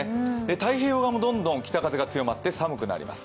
太平洋側もどんどん北風が強まって寒くなります。